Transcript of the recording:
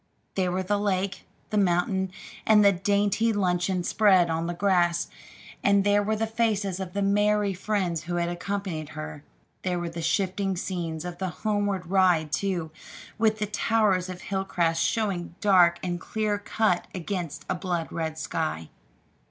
There were the lake, the mountain, and the dainty luncheon spread on the grass; and there were the faces of the merry friends who had accompanied her. There were the shifting scenes of the homeward ride, too, with the towers of Hilcrest showing dark and clear cut against a blood red sky.